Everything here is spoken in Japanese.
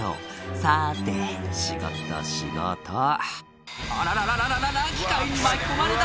「さて仕事仕事」「あららら機械に巻き込まれた！」